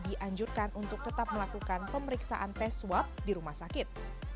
dianjurkan untuk tetap melakukan pemeriksaan tes swab di rumah sakit